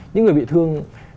những người bị thương